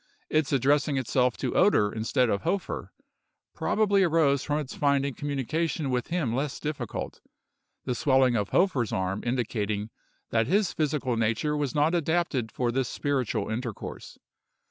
Its addressing itself to Oeder instead of Hofer, probably arose from its finding communication with him less difficult; the swelling of Hofer's arm indicating that his physical nature was not adapted for this spiritual intercourse.